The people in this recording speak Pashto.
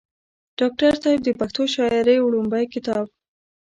ډاکټر صېب د پښتو شاعرۍ وړومبے کتاب